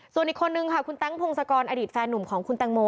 ส่วนอีกคนนึงค่ะคุณแต๊งพงศกรอดีตแฟนหนุ่มของคุณแตงโม